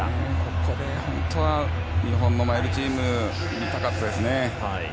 ここで本当は日本のマイルチーム見たかったですね。